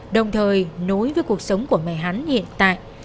đồng thời nối với cuộc sống của mẹ hắn hiện tại